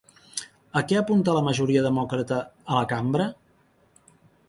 A què apunta la majoria demòcrata a la cambra?